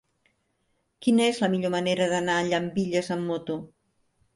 Quina és la millor manera d'anar a Llambilles amb moto?